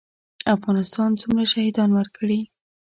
افغانستان څومره شهیدان ورکړي؟